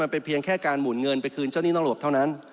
เป็นเพียงแค่การหมุนเงินไปคืนเจ้าหนี้นอกระบบเท่านั้น